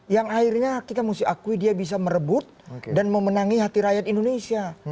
yang akhirnya kita mesti akui dia bisa merebut dan memenangi hati rakyat indonesia